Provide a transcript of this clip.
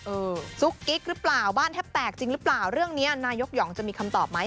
ซุกกิ๊กหรือเปล่าบ้านแทบแตกจริงหรือเปล่าเรื่องนี้นายกหองจะมีคำตอบไหม